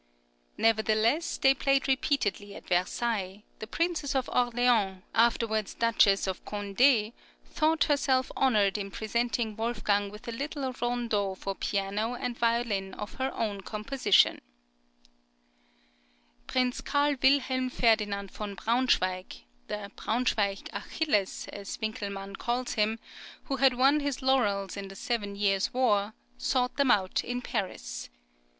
Nevertheless, they played repeatedly at Versailles; the Princess of Orleans, afterwards Duchess of Condé, thought herself honoured in presenting Wolfgang with a little rondo for piano and violin of her own composition.[20045] Prince Karl Wilhelm Ferdinand von Braunschweig, the Braunschweig Achilles, as Winckelmann calls him,[20046] who {PARIS, SWITZERLAND, 1766.} (47) had won his laurels in the seven years' war, sought them out in Paris.